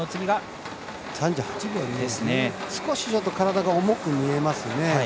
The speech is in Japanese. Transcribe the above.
少し体が重く見えますね。